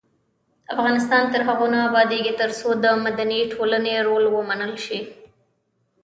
افغانستان تر هغو نه ابادیږي، ترڅو د مدني ټولنې رول ومنل نشي.